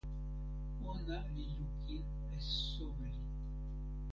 ona li lukin e soweli.